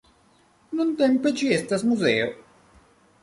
Nuntempe ĝi estas muzeo.